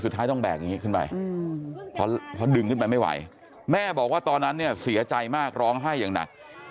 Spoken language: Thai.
สุดท้ายต้องแบกอย่างนี้ขึ้นไปพอดึงขึ้นไปไม่ไหวแม่บอกว่าตอนนั้นเนี่ยเสียใจมากร้องไห้อย่างหนัก